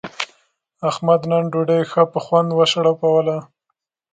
احمد نن ډوډۍ ښه په خوند و شړپوله.